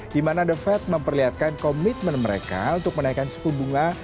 di mana the fed memperlihatkan komitmen mereka untuk menaikkan suku bunga